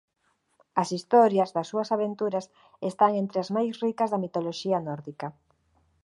As historias das súas aventuras están entre as máis ricas da mitoloxía nórdica.